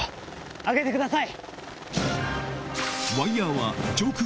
上げてください！